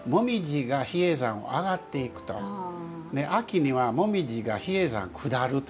秋には紅葉が比叡山を下ると。